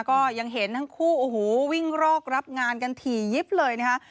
ก็ยังเห็นทั้งคู่โอ้โหวิ่งรอกรับงานกันถี่ยิบเลยนะคะ